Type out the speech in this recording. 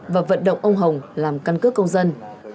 và vận động ông hồng làm căn cước công dân